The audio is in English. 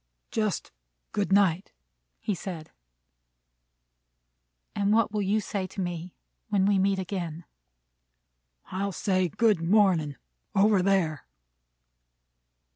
"Just good night," he said. "What will you say to me when we meet again?" "I'll say, 'Good morning,' over there."